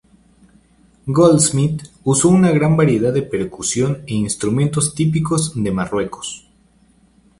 Goldsmith usó una gran variedad de percusión e instrumentos típicos de Marruecos.